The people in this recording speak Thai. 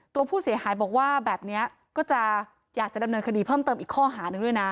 ตัวผู้เสียหายบอกว่าแบบนี้ก็จะอยากจะดำเนินคดีเพิ่มเติมอีกข้อหานึงด้วยนะ